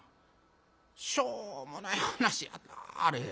しょうもない噺やなあれ。